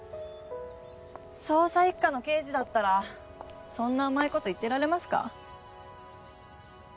捜査一課の刑事だったらそんな甘いこと言ってられますか？